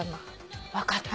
分かった。